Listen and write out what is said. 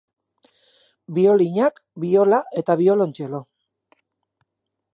Biolinak, biola eta biolontxelo.